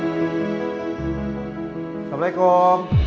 aku mau berbicara sama kamu